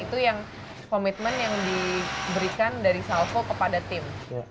itu yang komitmen yang diberikan dari salvo kepada tim